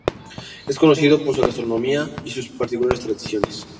Es conocido por su gastronomía y sus particulares tradiciones.